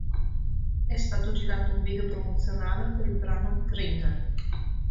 È stato girato un video promozionale per il brano "Grinder".